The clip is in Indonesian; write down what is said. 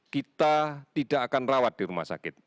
kita tidak akan rawat di rumah sakit